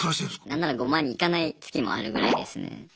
何なら５万にいかない月もあるぐらいですね。